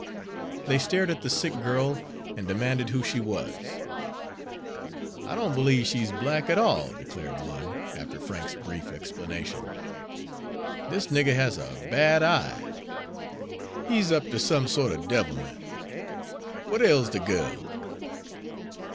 They stared at the sick girl and demanded who she was. "I don't b'lieve she's black at all," declared one, after Frank's brief explanation. "This nigger has a bad eye, he's up ter some sort of devilment. What ails the girl?"